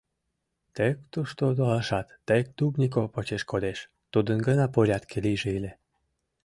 Тек тушто толашат, тек Дубников почеш кодеш, тудын гына порядке лийже ыле.